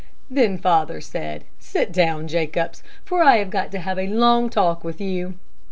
Then father said, 'Sit down, Jacobs, for I have got to have a long talk with you.'